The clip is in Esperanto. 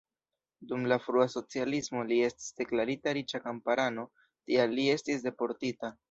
Dum la frua socialismo li estis deklarita riĉa kamparano, tial li estis deportita.